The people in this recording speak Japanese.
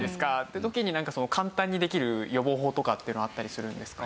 いう時に簡単にできる予防法とかっていうのはあったりするんですか？